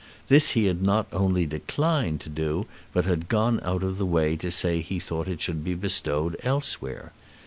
This he had not only declined to do, but had gone out of the way to say that he thought it should be bestowed elsewhere.